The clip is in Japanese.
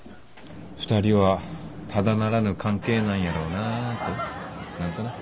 ２人はただならぬ関係なんやろなと何となく。